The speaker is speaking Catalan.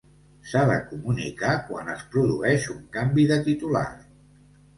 S'ha de comunicar quan es produeix un canvi de titular.